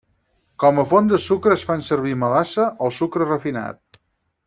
Com a font de sucre es fan servir melassa o sucre refinat.